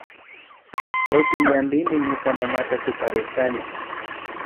Chawpi ñanpimi ñuka mamata tuparirkani